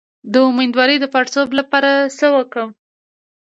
د امیدوارۍ د پړسوب لپاره باید څه وکړم؟